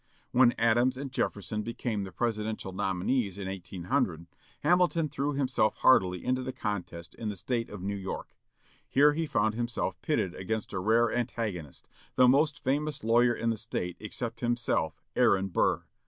When Adams and Jefferson became the Presidential nominees in 1800, Hamilton threw himself heartily into the contest in the State of New York. Here he found himself pitted against a rare antagonist, the most famous lawyer in the State except himself, Aaron Burr.